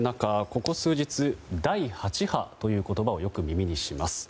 ここ数日、第８波という言葉をよく耳にします。